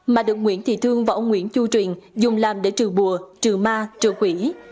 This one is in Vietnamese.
mà được nguyễn thị thương và ông nguyễn chu truyền dùng làm để trừ bùa trừ ma trừ quỷ